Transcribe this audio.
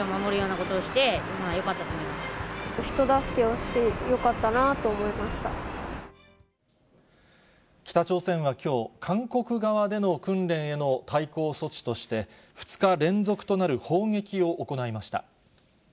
こ人助けをして、北朝鮮はきょう、韓国側での訓練への対抗措置として、２日連続となる砲撃を行いました。